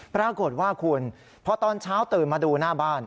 ปรากฏว่าคุณพอตอนเช้าตื่นมาดูหน้าบ้าน